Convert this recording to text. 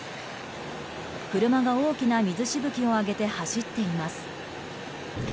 車が大きな水しぶきを上げて走っています。